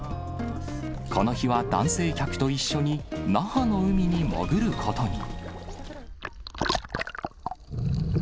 この日は男性客と一緒に那覇の海に潜ることに。